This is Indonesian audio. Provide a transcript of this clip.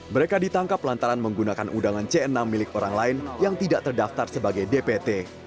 mereka ditangkap lantaran menggunakan undangan c enam milik orang lain yang tidak terdaftar sebagai dpt